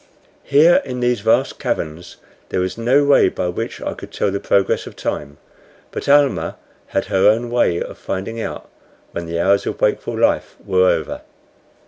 Here in these vast caverns there was no way by which I could tell the progress of time, but Almah had her own way of finding out when the hours of wakeful life were over.